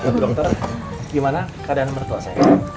bu dokter gimana keadaan bertuah saya